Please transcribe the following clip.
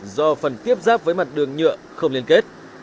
do phần tiếp giáp với mặt đường nhựa không liên kết